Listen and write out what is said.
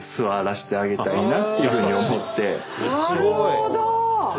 なるほど！